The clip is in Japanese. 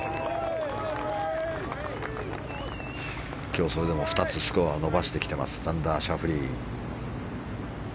今日、それでも２つスコアを伸ばしてきていますザンダー・シャフリー。